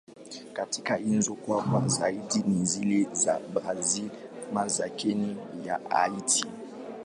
Katika hizo, kubwa zaidi ni zile za Brazil, Marekani na Haiti.